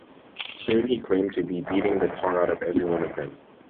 Soon he claimed to be beating the tar out of every one of them.